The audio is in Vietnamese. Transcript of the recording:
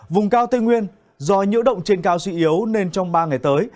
vùng cao tây nguyên do nhiễu động trên cao suy yếu nên trong ba ngày tới